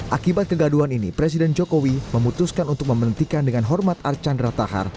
akibat kegaduan ini presiden jokowi memutuskan untuk memberhentikan dengan hormat archandra tahar